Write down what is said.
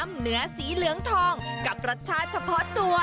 เนื้อสีเหลืองทองกับรสชาติเฉพาะตัว